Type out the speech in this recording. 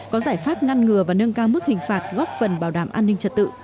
có giải pháp ngăn ngừa và nâng cao mức hình phạt góp phần bảo đảm an ninh trật tự